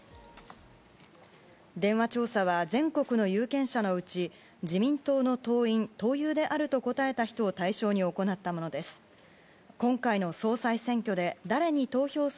電話調査は全国の有権者のうち自民党の党員・党友であると答えた人を対象に行ったものです。